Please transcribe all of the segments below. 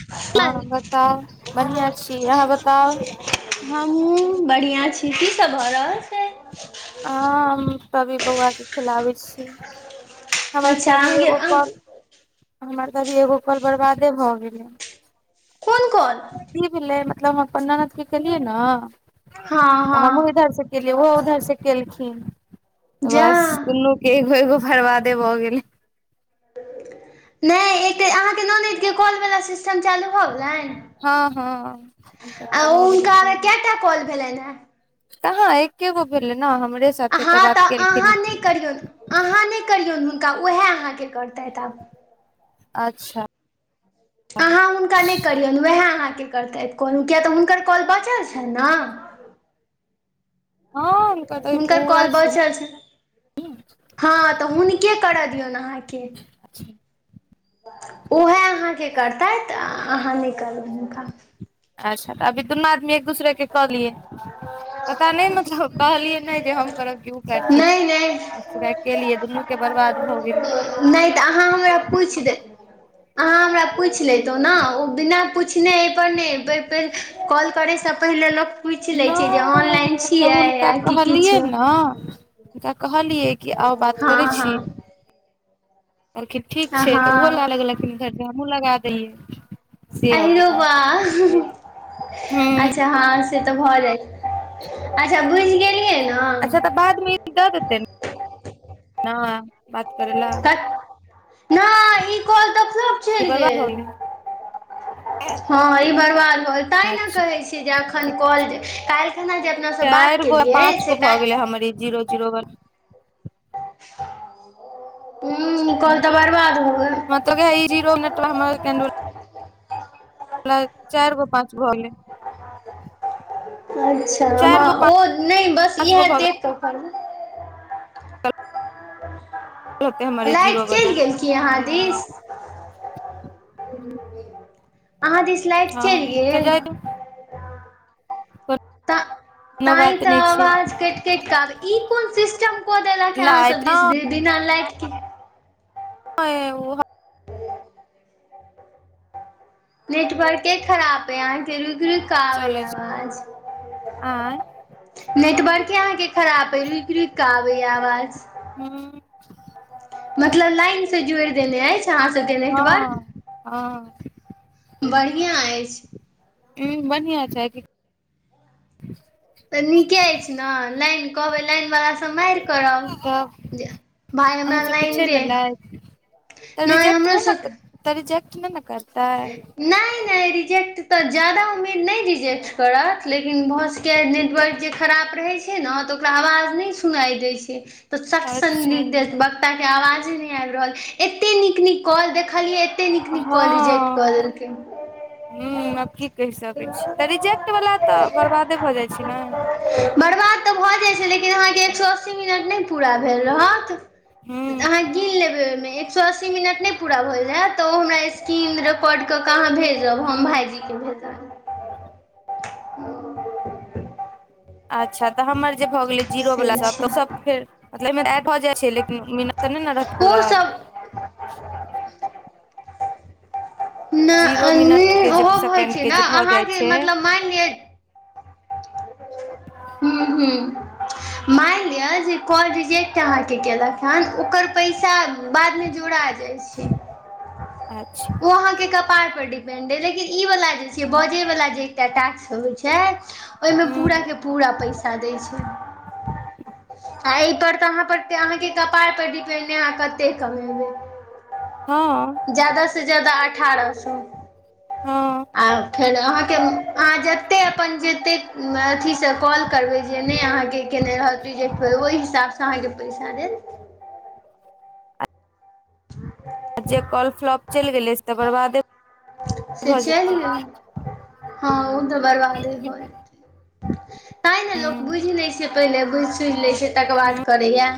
[inaudible] हँ बताउ बढ़िआँ छी अहाँ बताउ हमूँ बढ़िआँ छी कीसभ भऽ रहल छै ह हम तभी बौआ के खिलाबे छी हमर अच्छा तभी अहाँके एगो अ पल हमर तऽ अभी एगो कल बर्बादे भऽ गेलै कोन कोन की भेलै मतलब हम अपन ननद के केलियै हँ ने हमहु हँ इधर से केलि ओहो उधर से केलखिन तऽ जा बस दुन्नू एगो एगो बरबादे भऽ गेल नै ऐतै आहा के ननैद के कॉल वला सिस चन चालू भऽ गेलनि हँ हँ आ भऽ गेलै हुनका टा कॉल भेलै ह कहाँ एकेगो भेलै ने हमरे साथे तऽ बात केलखिन करियौल अहाँ नहि करियौन हुनका उएह अहाँके करतथि आब अच्छा अहाँ हुनका नहि करियनि उएह अहाँकेँ करतथि कॉल किय तऽ हुनकर कॉल बचल छनि ने हुनकर कॉल बचल छै हूँ हँ तऽ हुनके करय दियौन अहाँके छै उएह अहाँके करतथि अहाँ नहि करबै हुनका अच्छा तऽ अभी दुनू आदमी एक दूसरे के कऽ लियै पता नहि मतलब कहलियै नहि जे हम करब कि ओ करथिन नहि नहि बसग केली एदनू के बरवाद होगेले नहि तऽ अहाँ हमरा अहाँ हमरा पूछ ले तौ ने ओ बिना पूछने एहि परर नहिेर कॉल करैसँ पहिनेे लोक पुछि लै छियै जे ऑनलाइन नहि छियै आ की किछो हँ तऽ कहलिये की आउ बात हँ करै छी हँ कहलखिन ठीक छै तऽ ओहो ल हँ लग लखिन घर हमहुँ लगा दैलियै अहिरो बा [unintelligible] हूँ हँ से तऽ भऽ जाय अच्छा बुझि गेलियै न अच्छा तऽ बादमे ई दऽ देतै नऽ बात करे लऽ क नहि ई कल तऽ फ्लोप कि चैल बर्बाद भऽ गेल गेलै हँ ई बरबाद भेल तेय न अच्छा कहै छियै जे एखन कॉल काल्हि खना जे अपना से बात चारि गो आ केलियै पाँच से गो भऽ गेलै हमर ई जीरो जीरो बला हूँ कॉल तऽ बरबाद भ गेल हमरा तऽ गइ ई जीरो [unintelligible] चार गो पाँच बॉल [unintelligible] अच्छा चारि हँ गो ओ नहि बस पाँच गो इएह भऽ देत गेल होतै हमर ई लाइट जीरो वाला चलि गेल की अहाँ दिश अहाँ दिस लाइट चलि हँ तऽ गेल जाय दू त कोनो तई बात तऽ नहि छै आवाज कैट कैट क ई कोन सिस्टम कऽ देलक अहाँ लाइट सब दिस जे बीना लाइट के नय उ हम नेटवर्के खराप यऽ अहाँके रुकि रुकि कऽ आबेय चलै यऽ छै आवाज आँय नेटवर्के अहाँके खराब अइ रुकि रुकि कऽ आबैय आवाज हँ मतलब लाइन से जोड़ि देने अछि अहाँ सबके नेटवर्क हँ हँ बढ़िआँ अछि ऊ बढ़िआ छै कि तऽ नीके अछि ने लाइन कहबै लाइन वला तऽ मारि करब तब जे भाय अहाँ हमरा सबके लाइन छै दे ने लाइट तऽ नहि रिजेक्ट हमरो नहि ने सब तऽ रिजैक्ट नहि ने करतै नहि नहि रिजेक्ट तऽ जादा उम्मीद नहि रिजेक्ट करत लेकिन भऽ सक नेटवर्क जे खराब रहै छै छै ने तऽ ओकरा आवाज नहि सुनाइ दै छै तऽ सट् अच्छा सनिदेत बक्ताक के आवाजे नहि आबि रहल एते नीक नीक कल देखलियै कते नीक नीक कॉल रिजेक्ट कऽ देलकै हुँ आब की कहि सकैत छी तऽ रिजेक्ट वाला तऽ बर्बादे भऽ जाइ छै न बर्बाद तऽ भऽ जाइत छै लेकिन अहाँके एक सौ अस्सी मिनट नहि पूरा भेल रहत हूँ आहाँ गिन लेबै उहिमे एक सौ अस्सी मिनट नय पुरा होइल हैत तऽ ओहो मऽ स्क्रीन रे रेकाउड कऽ कऽ अहाँ भेजब हम हूँ भाइजीके भेजब अच्छा तऽ हमर जे भऽ गेलै जीरो से वला सब तऽ सब छै फेर मतलब एहि म रिजेक्ट भऽ जाइ छै लेकिन मिनट तऽ नहि न रहत पूरल ओसभ नहि जीरो मिनट एहिमे के जे ओहो होइ सेकेंड छै के न जे भऽ जाइ अहाँके छै मतलब मानि लिअ हुँ हुँ मानि लिअ जे कॉल रिजेक्ट अहाँके केलक तहन ओकर पैसा बादमे जोड़ा जाइ छै अच्छा ओ अहाँके कपार पर डिपेंड लेकिन ई वाल जे छै बजय वलाा जे एकटा टैक्स होइ छै ओहिमे पुरा हूँ केऽ पूरा पैसा दै छै आ एहिपर तऽ अहाँके कपार पर डिपेंड अहाँ कते कमेबै हँ जादाँ जादा अठारह सौ हँ आ फेर अहाँके अहाँ जतेक अपन जते अथीसँ कॉल करबै जे नहि अहाँके केयने रहत ओहि हिसाबसँ अहाँके पैसा देल। ह आ जे कॉल फ्लॉप चलि गेलै, तकर बाद। से चाही हँ, ओ तऽ बरबादे होतै। तैँ ने लोक हूँ बुझि लैत छै, पहिले बुझि सुझि लैत छै, तकर बाद हूँ करै छै।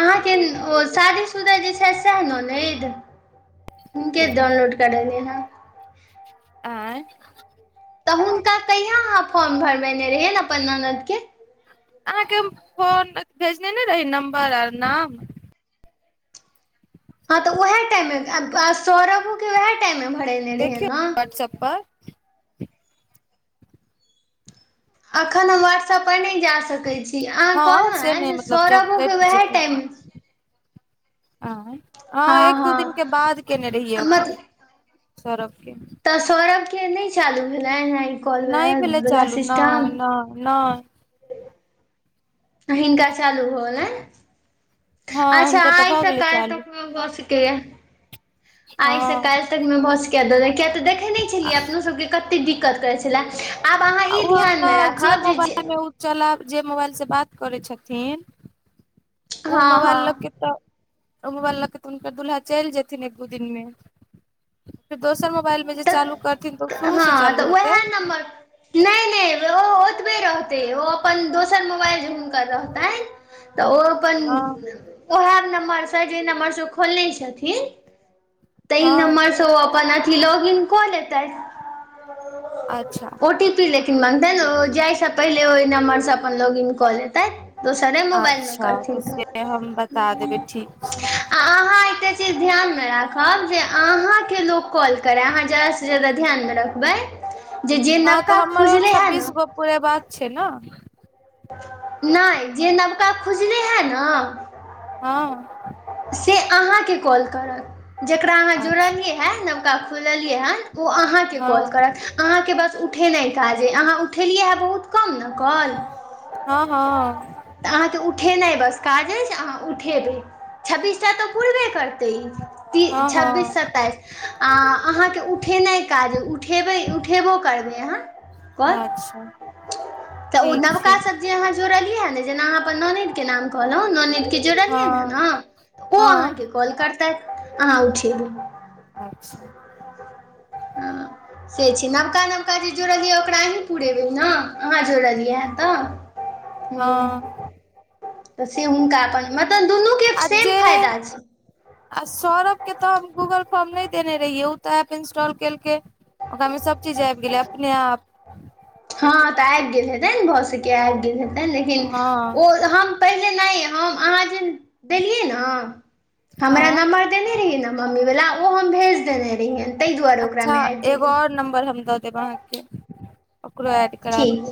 अहाँके ओ शादीशुदा जे छै, से ननैद। के डाउनलोड कऽ देत हँ? आँ तऽ हुनका कहिया अहाँ फॉर्म भरबेने रहियै, अपन ननैदके? अहाँके फोन भेजने ने रही, नम्बर आ नाम। हँ तऽ उएह टाइममे सौरभके उएह टाइममे भरने रहियै ने। सपाट अखन हम व्हाट्सऐपपर नहि जा सकैत छी। जी, अहाँ हँ कहलहुँ से ने नहि जे मतलब सरबूके उएह टाइम। आँ हँ, एक दू दिनके बाद केने रहियै ओकर। मतलब सौरभके। तऽ सौरभके नहि चालू भेलनि ई कॉलवला सिस्टम? ह नहि हिनका चालू भऽ गेलनि। हँ अच्छा, हुनकर तऽ आइ भऽ सँ गेलै काल तक पक्का। चालू तकमे भऽ सकै हँ छै, किएक तऽ देखै नहि छलियै अपनासभके कतेक दिक्कत करै छलै। आब अहाँ ई ध्यानमे राखब जे जे चल, आब जे मोबाइलसँ बात करै छथिन, ओ हँ मोबाइल हँ लऽ कऽ तऽ। ओ मोबाइल लऽ तऽ हुनकर दूल्हा चलि जेथिन, एक-दू दिनमे फेर दोसरो। मोबाइलमे जे तऽ चालू करथिन तऽ ओ शुरूसँ हँ तऽ चालू होतै। उएह नम्बर नहि नहि, ओ ओतबे रहतै, ओ अपन दोसर मोबाइलसँ जुम करै। रहतनि तऽ ओ अपन। हँ ओएह नम्बर सँ, जे नम्बर सँ ओ खोलने छथिन, ताहि हँ नम्बर सँ ओ अपन। लॉगिन कऽ लेतै अच्छा ओटी। ओटीपी मँगतनि, जाहिसँ पहिले ओहि नम्बरसँ अपन लॉगिन कऽ लेतथि। दोसरे मोबाइलमे अच्छा करथिन तऽ। से हम बता देबै ठीक छै आ अहाँ एकटा चीज ध्यानमे राखब जे अहाँके लोक कॉल करै, अहाँ जादासँ जादा ध्यानमे रखबै जे जे हँ तऽ नवका हमरो खुजलै हँ ने। छब्बीस गो पूरे बाक छै ने। नहि, जे नवका खुजलै हँ ने। हँ से अहाँके कॉल करत जेकरा अहाँ अच्छा जुड़लियै हँ, नवका खोललियै हँ। ओ अहाँके हँ कॉल करत। अहाँके बस उठेनाइ काज अइ, अहाँ उठेलियै हँ, बहुत कम ने कॉल। हँ हँ तऽ अहाँके उठेनाइ बस काज अछि, अहाँ उठेबै। छब्बीसटा तऽ पूरे करतै, ई हँ हँ छब्बीस हँ स्ताइस। आ अहाँके उठेनाइ काज छै, उठेबै, उठेबो करबै अहाँ। कॉल अच्छा तऽ ओना। ठीक छै जोड़लियै ने, जेना अहाँ अपन ननैदके नाम कहल। जोड़लियै हँ ने अहाँ, ओ हँ अहाँके कॉल करतै, अहाँ उठेबै। अच्छा [unintelligible] [inaudible] से छै नवका नवका जे जुड़लै, ओकरा अहीं पुरेबै ने, अहाँ जोड़लियै। ईहा ह तऽ, हँ हू से हुनका मतलब दुनूमे। अ जे आ सौरभ के तऽ हम गूगल फॉर्म नहि देने रहियै ओ तऽ एप इंस्टॉल केलकै ओकरा में सब चीज आबि गेलै अपने आप हँ तऽ आबि गेल हेतै भऽ सके आबि गेल हेतै लेकिन हँ ओ हम पहिले नइ ह आहा जे देलिये ना हमरा हँ नम्बर देने रहियै ने मम्मी वाला ओ हम भेज देने रहियैन अच्छा एगो और नम्बर हम द देब अहाँके ओकरो एड ठीक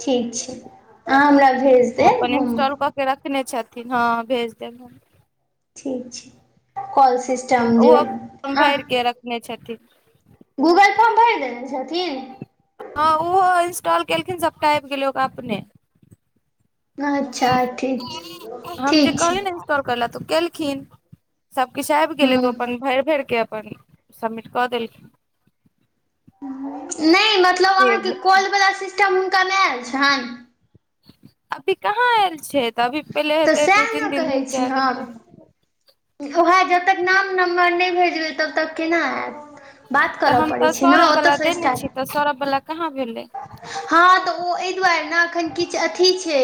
ठीक छै अहाँ हमरा भेज दे ओ अपन इंस्टॉल कऽ के रखने छथिन हँ भेज देब हम ठीक छै कॉल सिस्टम जे हँ नहि छथिन गूगल फोर्म भरि देने छथिन हँ ओहो इंस्टॉल केलखिन सभटा आबि गेलै ओकर अपने अच्छा ठीक छै ठीक छै ोर कर ल तू केलखिन सभकछु आबि गेलै हूँ तऽ अपन भरि भरि के अपन सबमेट क देलखिन नहि मतलब से अहाँके भेलै कॉल वला सिस्टम हुनका नहि आयल छनि अभी कहाँ आयल छै तऽ अभी पहिले तऽ हेते सएह दू तीन ने दिन दिन कहै छी चारि दिन हम तक उएह जबतक नाम नम्बर नहि भेजबै तबतक केना आयत तऽ हम तऽ सौरभ वालला देने छी स्टार्ट तऽ सौरभ वला कहाँ भेलै हँ तऽ ओ एहि दुआरे ने एखन किछु अथी छै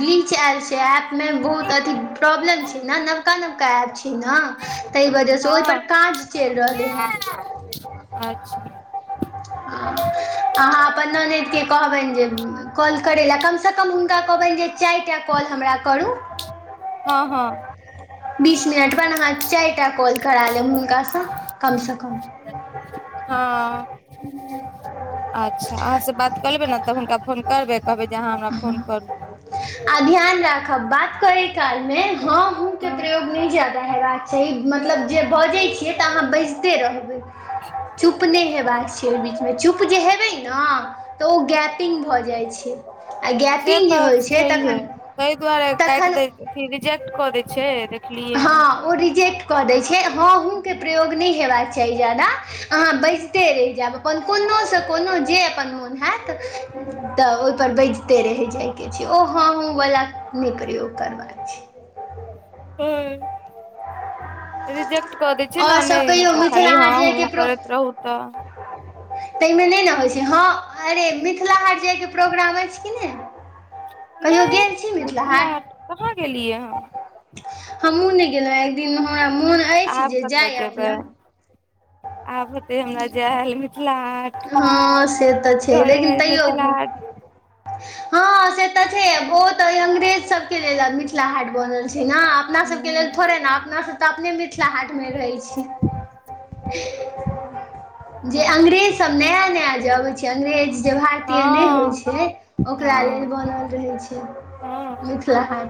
ग्लीच आयल छै ऐप ए मे बहुत अथी प्रॉब्लम छै ने नबका नबका ऐप छै ने ताहि वजहसँ हँ ओहिपर काज चलि रहलै हे [inaudible] अहाँ अपन ननदिकके कहबनि जे कॉल करै लए कमसँ कम हुनका कहबनि जे चारिटा कॉल हमरा करू हँ हँ बीस मिनट अपन अहाँ चारिटा कॉल करा लेब हुनकासँ कमसँ कम हँ अच्छा अहाँसँ बात करऽ लेबै ने तऽ हुनका फोन करबै कहबै जे अहाँ हमरा फोन करू आ ध्यान राखब बात करै कालमे हँ ह के हँ प्रयोग नहि जादा हेबाक चाही मतलब जे बजै छियै तऽ अहाँ बजिते रहबै चुपने हेबाक छय बि चुप जे हेबै ने तऽ ओ गैपिंग भऽ जाइ छै आ गैपिंग जे होइ छै तखन तहि दुआरे काटि तखन दै अथी रिजेक्ट कऽ दै छै देखलियै हँ ने ओ रिजेक्ट कऽ दै छै हहूँके प्रयोग नहि हेबाक चाही जा अाँ बे रहिब कोसँ को जे अपन मोन होैत तऽ ओहिपर बजिते रहि जाइके छै ओ हं हूं वला नहि प्रयोग करबाक छै ह रिजेक्ट कऽ दै छै ने और सब नहि कहियौ मतलब मिथिला खाली हँ हाट हूं जायके प्रो करैत रहू तऽ [inaudible] ताहिमे नहि ने होइत छै हँ अरे मिथिला हाट जायके प्रोग्राम अछि कि नहि कहियो नहि गेल छी मिथिला कहाँ हाट गेलियै हम हमहूँ नहि गेलहुँ एक दिनमे हमरा मोन अछि आब जे कतऽ जाय जेबै अपना आब हेतै हमरा जायल मि थिला हाट हँ से तऽ छै लेकिन घरेमे तैयो मिथिला हाट हँ से तऽ छैहे बहुत अइ अंग्रेज सब के लेल मिथिला हाट बनल छै ने अपना सबके हूँ लेल थोड़े ने अपना सब अपने मिथिला हा मे रह छी अंग्रेज सब नया नया जे अबै छै अंग्रेज जे भारतीय नहि होइ हँ छै ओकरा लेल हँ बनल रहै छै हँ मिथिला हा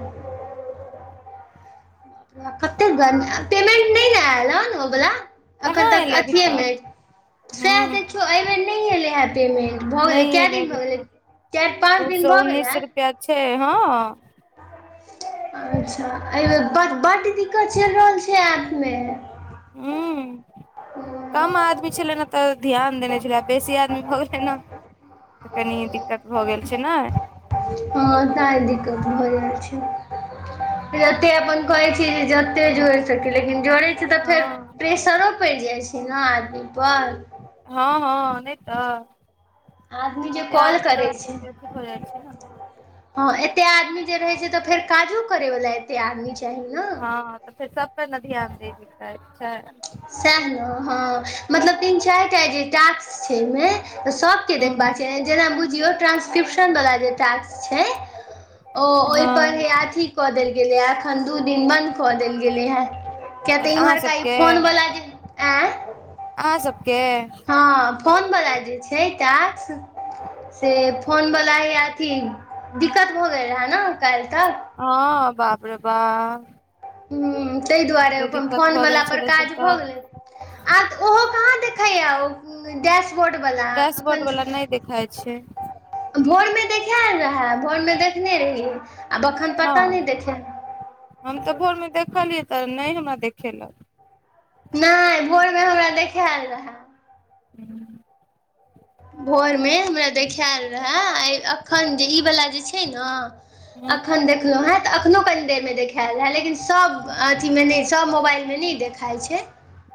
कतेक घर पेमेंट नहि ने आयल ने ओ बला कहाँ अखन तक एलै अभी अथिये मे अछि स‌एह हूँ देखियौ एहि बेेर नहि एलै है पेमेंट भऽ गेलै नहि एलै क‌ए दिन अभी भऽ गेलै तक चारि पाँच दू दिन सए भऽ उन्नैस गेलै रुपआ छै हँ अच्छा अ ब बड्ड दिक्कत चलि रहल छै आपमे ह्म कम आदमी छलै ने तऽ ध्यान देने छलै बेसी आदमी भऽ गेलै ने तऽ कनी दिक्कत भऽ गेल छै ने हँ ताहि दिक्कत भ जाइ छै जते अपन कहै छी जे जते जोड़ि सकी लेकिन जोड़ै छी तऽ फेर हँ प्रेस सरो पड़ि जाइ छै ने आदमीप हँ हँ नहि तऽ आदमी जे त कॉल धीरो करै कत अथि कर छै ने ह एते आदमी जे रहे छै तऽ फेर काजो करे वाला एते आदमी चाही ने हँ तऽ फेर सबपे ने ध्यान द छै सएह ने हँ मतलब तीन चारि टा जे टास्क छै ओमे त सभ देख हूँ छै जेना बुझियौ ट्रा्सक्रिप्शन वला जे टास्क छै ओ ओहिपर हँ हे अथी कऽ देल गेलैए य एखन दू दिन बन्द कऽ देल गेलै हेँ अहाँ सबके आँय अहाँ सबके हँ फोन वला जे छै टास से फोन वला ह अथी दिक्कत भऽ गेल रहे ने काल्हि तक हँ बाप रे बाह ह तहि दुआरे अपन फोन भऽ वला गेल पर छलै से काज भऽ तऽ गेलै आ ओहो कहाँ देखैए ओ डैशबोर्डवला एखन देखा छै भोरमे देखायल रहै भोरमे देखने रहियै आब अखन हँ पता नहि देखेल हम तऽ भोरमे देखलियै तऽ नहि हमरा देखेलक नहि भोरमे हमरा देखायल रहय भोर मे हमरा देखायल रहे आ अखन जे ई वाला जे छै ने हूँ अखन देखलहु हे तऽ अखनो कनि देरमे देखाायल रहय लेकिन सभ अथीमे नहि सभ मोबाइलमे नहि देखाइ छै